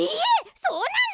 そうなの？